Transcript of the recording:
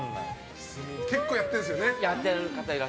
結構やってるんですよね。